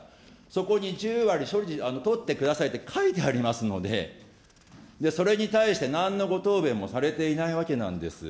そこに１０割処理、取ってくださいって書いてありますので、それに対して、なんのご答弁もされていないわけなんです。